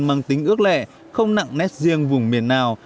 mang tính ước lệ không nặng nét riêng vùng miền nào